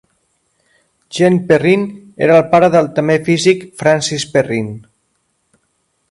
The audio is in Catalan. Jean Perrin era el pare del també físic Francis Perrin.